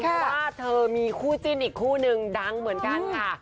เพราะว่าเธอมีคู่จิ้นอีกคู่นึงดังเหมือนกันค่ะ